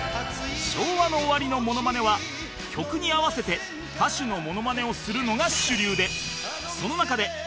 昭和の終わりのモノマネは曲に合わせて歌手のモノマネをするのが主流でその中で